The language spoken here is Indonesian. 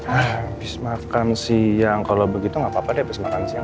habis makan siang kalau begitu gak apa apa deh pas makan siang